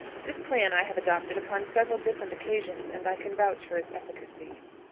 This plan I have adopted upon several different occasions, and I can vouch for its efficacy.